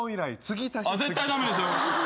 絶対駄目ですよ！